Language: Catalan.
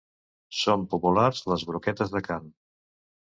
Són populars les broquetes de carn.